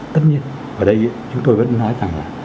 tất nhiên ở đây chúng tôi vẫn nói rằng là